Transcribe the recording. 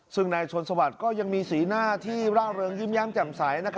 ซึ่งนายชนสวัสดิ์ก็ยังมีสีหน้าที่ร่าเริงยิ้มแย้มแจ่มใส